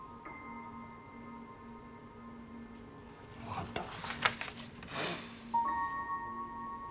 分かった。